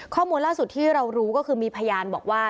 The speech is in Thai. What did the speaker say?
ข้อมูลล่าสุดที่เรารู้ก็คือมีพยานบอกว่า